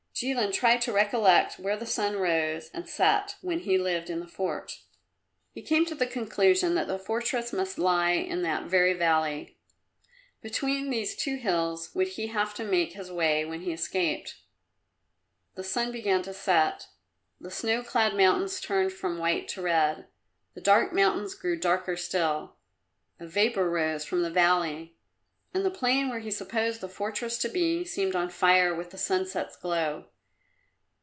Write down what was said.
Jilin tried to recollect where the sun rose and set when he lived in the fort. He came to the conclusion that the fortress must lie in that very valley. Between these two hills would he have to make his way when he escaped. The sun began to set. The snow clad mountains turned from white to red; the dark mountains grew darker still; a vapour rose from the valley, and the plain where he supposed the fortress to be seemed on fire with the sunset's glow.